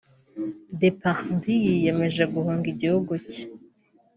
Depardieu yiyemeje guhunga igihugu cye